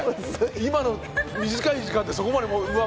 今の短い時間でそこまでは無理！